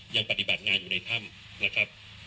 ยังปฏิบัติงานอยู่ในถ้ำ